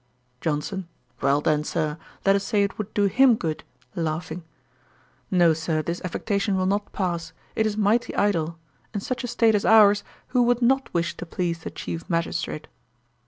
JOHNSON. 'Well then, Sir, let us say it would do him good. No, Sir, this affectation will not pass; it is mighty idle. In such a state as ours, who would not wish to please the Chief Magistrate?'